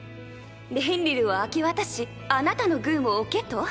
レンリルを明け渡しあなたの軍を置けと？